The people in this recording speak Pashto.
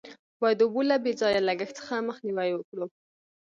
باید د اوبو له بې ځایه لگښت څخه مخنیوی وکړو.